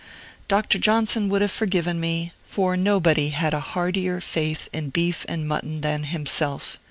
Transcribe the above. Dr. Johnson would have forgiven me, for nobody had a heartier faith in beef and mutton than himself.